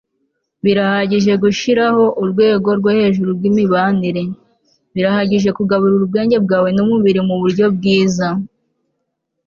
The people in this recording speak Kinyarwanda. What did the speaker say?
birahagije gushiraho urwego rwo hejuru rwimibanire. birahagije kugaburira ubwenge bwawe numubiri muburyo bwiza